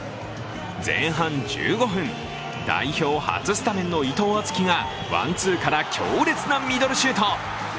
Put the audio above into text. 前半１５分、代表初スタメンの伊藤敦樹がワンツーから強烈なミドルシュート。